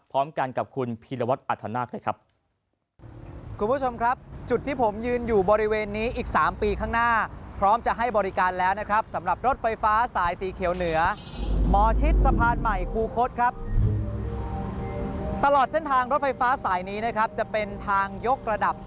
พร้อมกันกับคุณพีรวัตน์อัธนาค